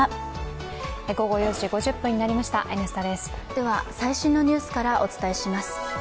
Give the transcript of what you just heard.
では最新のニュースからお伝えします。